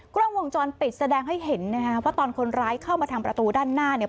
กล้องวงจรปิดแสดงให้เห็นนะฮะว่าตอนคนร้ายเข้ามาทางประตูด้านหน้าเนี่ย